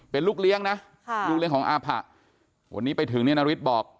เป็นลูกเลี้ยงนะลูกเลี้ยงของอาผะวันนี้ไปถึงเนี่ยนาริสบอก